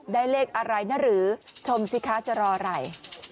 ได้เลขอะไรนะหรือชมสิคะจะรออะไร